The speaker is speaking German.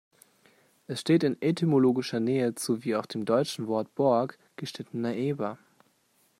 Es steht in etymologischer Nähe zu wie auch dem deutschen Wort "Borg" ‚geschnittener Eber‘.